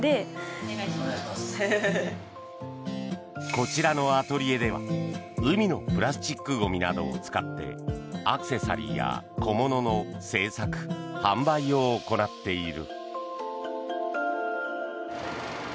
こちらのアトリエでは海のプラスチックゴミなどを使ってアクセサリーや小物の制作・販売を行っている。